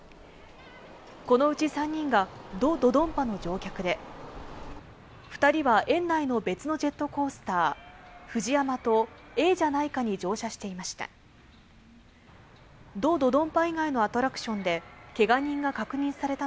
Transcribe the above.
このうち３人がド・ドンパの乗客で、２人は園内の別のジェットコースターＦＵＪＩＹＡＭＡとええじゃないかに乗車していました。